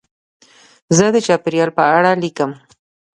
زه د چاپېریال په اړه لیکم.